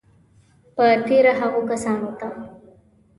په تېره هغو کسانو ته